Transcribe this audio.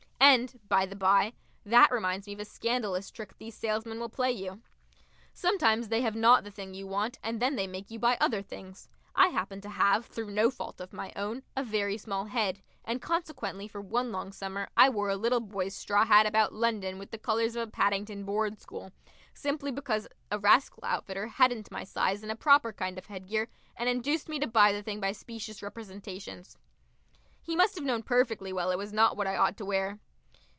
And, by the bye, that reminds me of a scandalous trick these salesmen will play you. Sometimes they have not the thing you want, and then they make you buy other things. I happen to have, through no fault of my own, a very small head, and consequently for one long summer I wore a little boy's straw hat about London with the colours of a Paddington Board School, simply because a rascal outfitter hadn't my size in a proper kind of headgear, and induced me to buy the thing by specious representations. He must have known perfectly well it was not what I ought to wear.